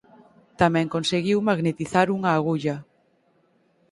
Tamén conseguiu magnetizar unha agulla.